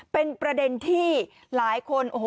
เป็นประเด็นที่หลายคน